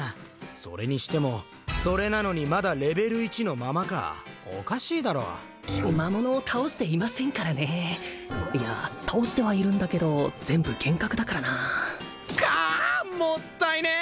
それにしてもそれなのにまだレベル１のままかおかしいだろ魔物を倒していませんからねいや倒してはいるんだけど全部幻覚だからなかあもったいねえ！